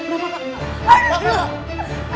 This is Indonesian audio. aduh apaan tadi nek